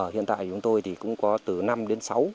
hiện tại chúng tôi thì cũng có từ năm đến sáu